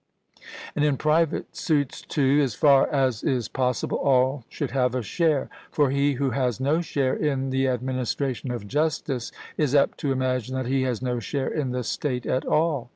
And in private suits, too, as far as is possible, all should have a share; for he who has no share in the administration of justice, is apt to imagine that he has no share in the state at all.